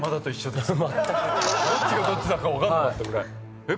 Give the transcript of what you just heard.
どっちがどっちだか分かんなかったぐらい。